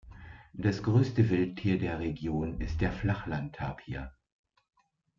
Das größte Wildtier der Region ist der Flachlandtapir.